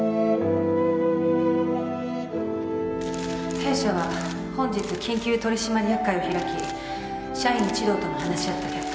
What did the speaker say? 弊社は本日緊急取締役会を開き社員一同とも話し合った結果